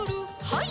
はい。